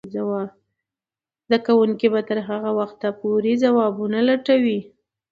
زده کوونکې به تر هغه وخته پورې ځوابونه لټوي.